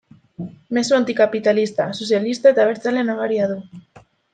Mezu antikapitalista, sozialista eta abertzale nabaria du.